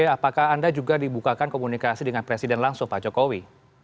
apakah anda juga dibukakan komunikasi dengan presiden langsung pak jokowi